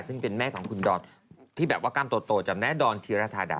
ซึ่งเป็นแม่ของคุณดอนที่แบบว่ากล้ามโตจำแม่ดอนธีรธาดา